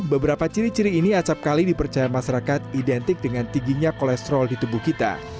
beberapa ciri ciri ini acapkali dipercaya masyarakat identik dengan tingginya kolesterol di tubuh kita